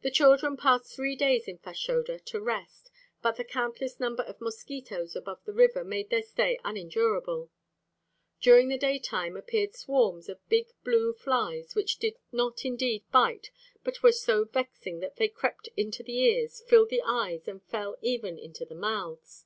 The children passed three days in Fashoda to rest, but the countless number of mosquitoes above the river made their stay unendurable. During the daytime appeared swarms of big blue flies, which did not indeed bite, but were so vexing that they crept into the ears, filled the eyes, and fell even into the mouths.